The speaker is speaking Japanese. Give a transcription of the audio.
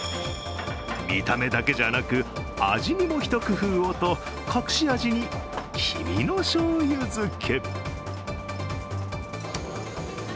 見た目だけじゃなく、味にも一工夫をと、隠し味に黄身のしょうゆ漬け。